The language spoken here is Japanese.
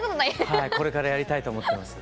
これからやりたいと思ってます。